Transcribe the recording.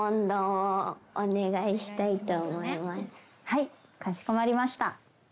はいかしこまりました。